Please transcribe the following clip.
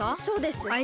そうです。